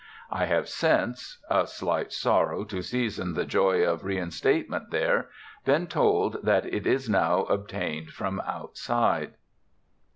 I have since a slight sorrow to season the joy of reinstatement there been told that it is now obtained from outside.